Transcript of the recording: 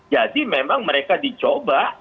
jadi memang mereka dicoba